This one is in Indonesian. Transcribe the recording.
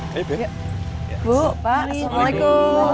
bu pak assalamualaikum